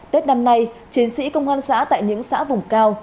tết năm nay chiến sĩ công an xã tại những xã vùng cao